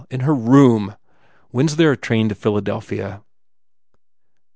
In her room! When s there a train to Philadelphia?"